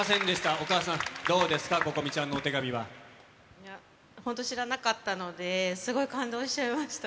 お母さん、どうですか、いや、本当知らなかったので、すごい感動しちゃいました。